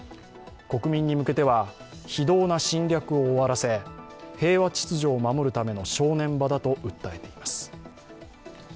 国民に向けては非道な侵略を終わらせ、平和秩序を守るための正念場だと訴えています。